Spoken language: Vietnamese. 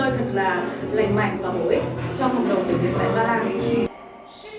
tại ba lan